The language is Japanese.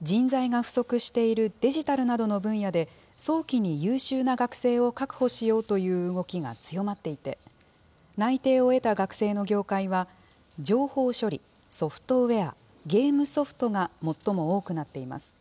人材が不足しているデジタルなどの分野で、早期に優秀な学生を確保しようという動きが強まっていて、内定を得た学生の業界は、情報処理・ソフトウエア・ゲームソフトが最も多くなっています。